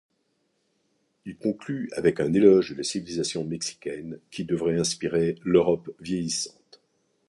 Il conclut avec un éloge de la civilisation mexicaine qui devrait inspirer l'Europe vieillissante.